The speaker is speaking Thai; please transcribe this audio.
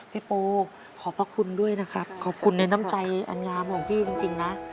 โปขอบพระคุณด้วยนะครับขอบคุณในน้ำใจอันงามของพี่จริงนะ